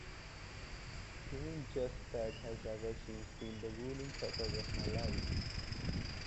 Doing just that has ever since been the ruling purpose of my life.